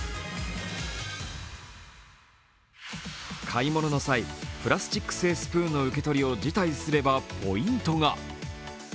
買い物の際、プラスチック製スプーンの受け取りを辞退すればポイントが。